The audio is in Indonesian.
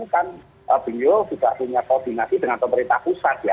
kan beliau juga punya koordinasi dengan pemerintah pusat ya